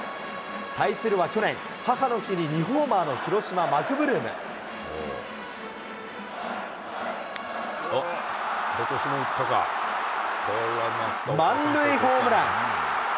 対するは去年、母の日に２ホーマーの広島、マクブルーム。満塁ホームラン。